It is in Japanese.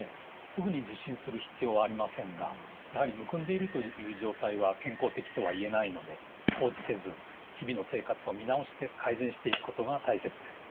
すぐに受診する必要はありませんがやはりむくんでいるという状態は健康的とはいえないので放置せず日々の生活を見直して改善していくことが大切です。